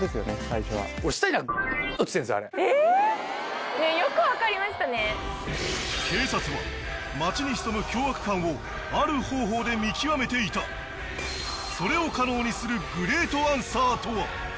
最初は警察は街に潜む凶悪犯をある方法で見極めていたそれを可能にするグレートアンサーとは？